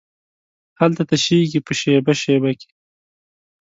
هلته تشېږې په شیبه، شیبه کې